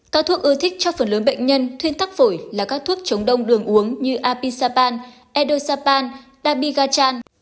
các thuốc ưa thích cho phần lớn bệnh nhân thuyên tắc phổi là các thuốc chống đông đường uống như apisapan edusapan dabigachan